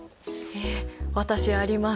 え私あります。